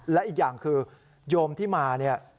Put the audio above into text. และอีกอย่างคือโยมที่มาเนี่ย